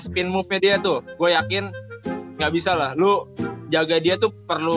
gua yakin nggak bisa lu jaga dia tuh